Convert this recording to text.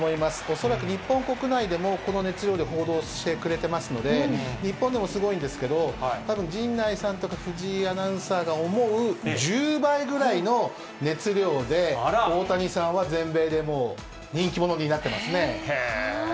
恐らく日本国内でも、この熱量で報道してくれてますので、日本でもすごいんですけど、たぶん、陣内さんとか藤井アナウンサーが思う１０倍ぐらいの熱量で、大谷さんは全米でもう、人気者になってますね。